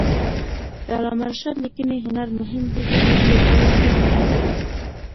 د علامه رشاد لیکنی هنر مهم دی ځکه چې دارو ټکي کاروي.